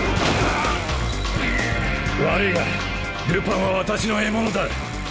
悪いがルパンは私の獲物だ。